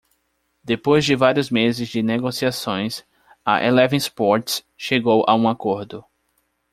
Depois de vários meses de negociações, a Eleven Sports chegou a um acordo.